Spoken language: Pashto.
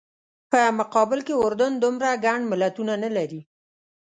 په مقابل کې اردن دومره ګڼ ملتونه نه لري.